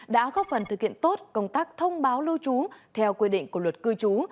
đã góp phần thực hiện tốt công tác thông báo lưu trú theo quy định của luật cư trú